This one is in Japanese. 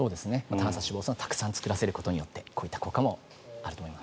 短鎖脂肪酸をたくさん作らせることによってこういった効果もあると思います。